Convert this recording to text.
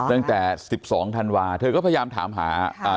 ตั้งแต่สิบสองธันวาเธอก็พยายามถามหาอ่า